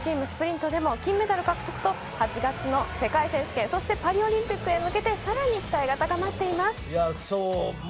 男子チームスプリントでも金メダル獲得と８月の世界選手権、そしてパリオリンピックに向けてさらに期待が高まります。